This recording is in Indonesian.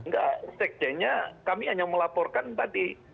enggak sekjennya kami hanya melaporkan tadi